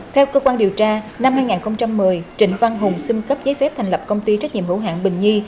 theo cơ quan điều tra năm hai nghìn một mươi trịnh văn hùng xin cấp giấy phép thành lập công ty trách nhiệm hữu hạng bình nhi